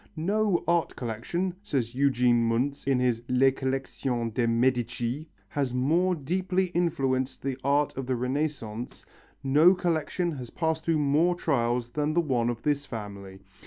"No art collection," says Eugene Müntz in his Les Collections des Médicis, "has more deeply influenced the art of the Renaissance, no collection has passed through more trials than the one of this family.